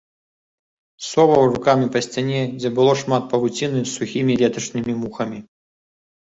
Соваў рукамі па сцяне, дзе было шмат павуціны з сухімі леташнімі мухамі.